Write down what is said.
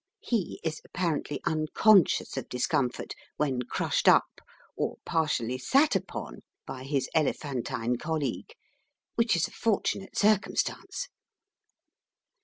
He is apparently unconscious of discomfort when crushed up or partially sat upon by his elephantine colleague, which is a fortunate circumstance.